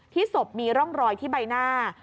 ศพมีร่องรอยที่ใบหน้า